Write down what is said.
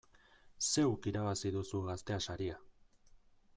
Zeuk irabazi duzu Gaztea saria!